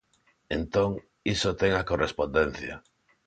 Entón, iso ten a correspondencia.